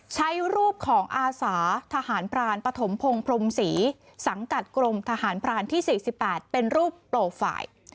ใช้รูปของอาสาทหารพรานปฐมพงศ์พรมศรีสังกัดกรมทหารพรานที่๔๘เป็นรูปโปรไฟล์